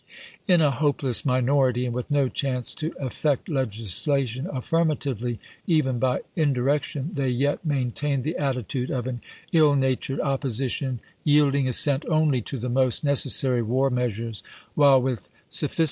In a hopeless minority, and with no chance to affect legislation affirmatively even by indirec tion, they yet maintained the attitude of an ill natured opposition, yielding assent only to the SIGNS OF THE TIMES 105 most necessary war measures, while, with sophisti chap.